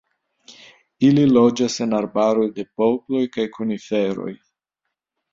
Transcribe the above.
Ili loĝas en arbaroj de poploj kaj koniferoj.